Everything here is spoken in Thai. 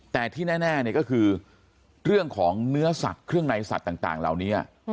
แต่ที่แน่ก็คือเรื่องของเนื้อสัตว์เครื่องในสัตว์ต่างเหล่านี้